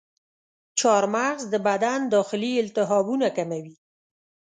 چارمغز د بدن داخلي التهابونه کموي.